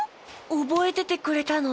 おぼえててくれたの？